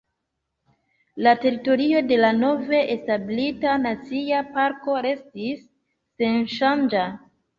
La teritorio de la nove establita nacia parko restis senŝanĝa.